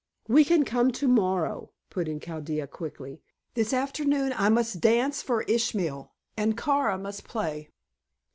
"We can come to morrow," put in Chaldea quickly. "This afternoon I must dance for Ishmael, and Kara must play."